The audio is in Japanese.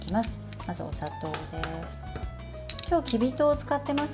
まず、お砂糖です。